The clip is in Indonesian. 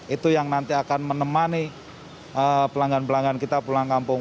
itu yang nanti akan menemani pelanggan pelanggan kita pulang kampung